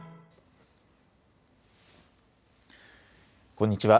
こんにちは。